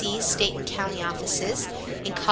(State and county offices); in Col.